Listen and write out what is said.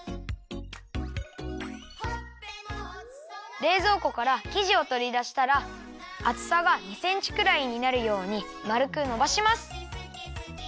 れいぞうこからきじをとりだしたらあつさが２センチくらいになるようにまるくのばします。